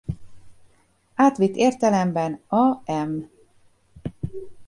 Átvitt értelemben a. m.